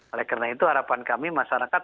oleh karena itu harapan kami masyarakat